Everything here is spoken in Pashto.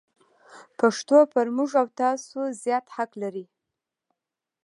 پښتو پر موږ او تاسو زیات حق لري.